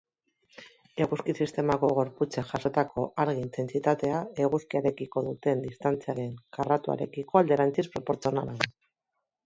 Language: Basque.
Eguzki-sistemako gorputzek jasotako argi-intentsitatea, eguzkiarekiko duten distantziaren karratuarekiko alderantziz proportzionala da.